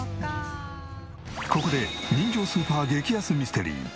ここで人情スーパー激安ミステリー。